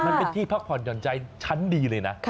มันเป็นที่พักผ่อนหย่อนใจชั้นดีเลยนะ